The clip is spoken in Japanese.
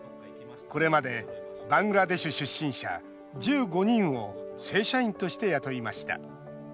これまでバングラデシュ出身者１５人を正社員として雇いました。